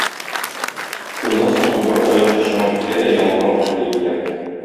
Шуннан соң убыр аяк очыңа килә дә ялына башлый икән.